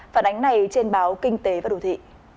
phản ánh này trên báo kinh tế và đồ thị